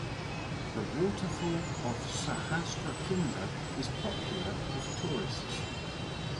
The waterfall of Sahastra Kunda is popular with tourists.